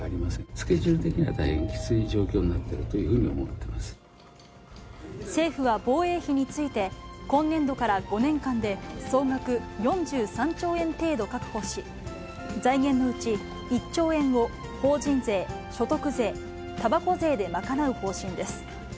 スケジュール的には大変きつい状況になっているというふうに思い政府は防衛費について、今年度から５年間で、総額４３兆円程度確保し、財源のうち１兆円を、法人税、所得税、たばこ税で賄う方針です。